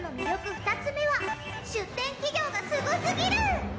２つ目は出展企業がすごすぎる！